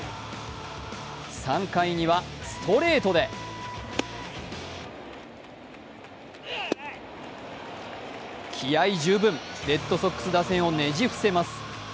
３回にはストレートで気合い十分、レッドソックス打線をねじ伏せます。